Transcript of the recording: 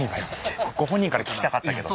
ご本人から聞きたかったけど。